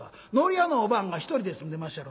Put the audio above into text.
糊屋のおばんが一人で住んでまっしゃろ。